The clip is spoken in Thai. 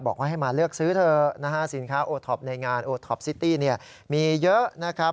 บอกว่าให้มาเลือกซื้อเถอะนะฮะสินค้าโอท็อปในงานโอท็อปซิตี้มีเยอะนะครับ